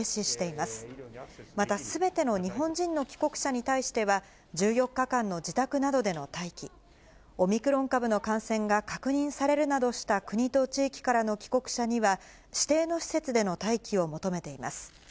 また、すべての日本人の帰国者に対しては、１４日間の自宅などでの待機、オミクロン株の感染が確認されるなどした国と地域からの帰国者には、指定の施設での待機を求めています。